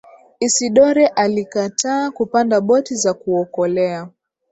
isidore alikataa kupanda boti za kuokolea